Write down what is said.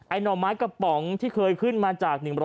หน่อไม้กระป๋องที่เคยขึ้นมาจาก๑๐๐